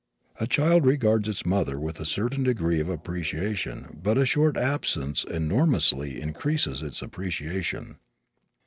A child regards its mother with a certain degree of appreciation but a short absence enormously increases its appreciation.